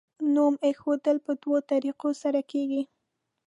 نوم ایښودل په دوو طریقو سره کیږي.